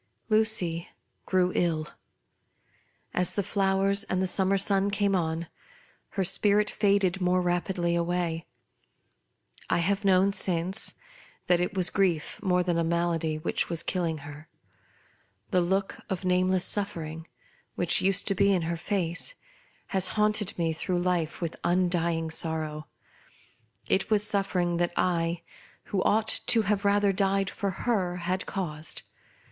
Lucy grew ill. As the flowers and the summer sun came on, her spirit faded more rapidly away. I have known since, that it was gn icf more than malady which was killing 8 her. The look of nameless suffering which used to be in her face, has haunted me through life with undying sorrow. It was suffering that I, who ought to have rather died for her, had caused.